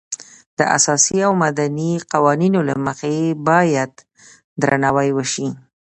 د اساسي او مدني قوانینو له مخې باید درناوی وشي.